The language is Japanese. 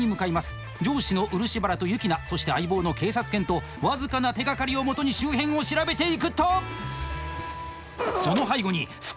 上司の漆原とユキナそして相棒の警察犬と僅かな手がかりをもとに周辺を調べていくと。